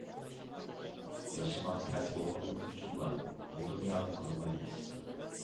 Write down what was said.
-ياشىماق تەس بولغانلىقى ئۈچۈنلا بۇ دۇنياغا قانمايمىز.